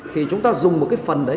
thì chúng ta dùng một phần